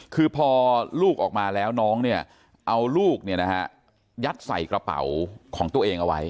คือพอลูกออกมาแล้วน้องเนี่ยเอาลูกยัดใส่กระเป๋าของตัวเองเอาไว้